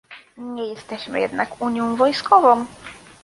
Nie jesteśmy jednak unią wojskową